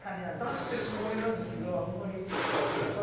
出してるつもりなんですけどあんまり伝わってないです。